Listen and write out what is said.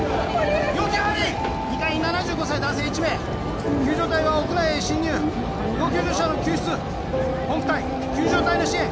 要救あり２階に７５歳男性１名救助隊は屋内へ進入要救助者の救出ポンプ隊救助隊の支援